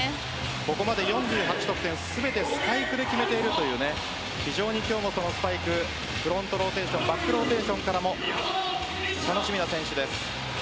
ここまで４８得点全てスパイクで決めているという非常に今日もそのスパイクフロントローテーションバックローテーションからも楽しみな選手です。